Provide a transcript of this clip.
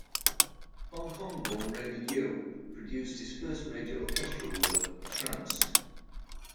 Hong Kong-born Raymond Yiu produced his first major orchestral work, "Tranced".